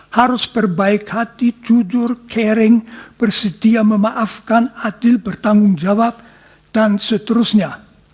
harus berbaik hati jujur caring bersedia memaafkan adil bertanggung jawab dan seterusnya